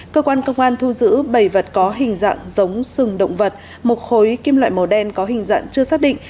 cơ quan công an thu giữ bảy vật có hình dạng giống sừng động vật một khối kim loại màu đen có hình dạng chưa xác định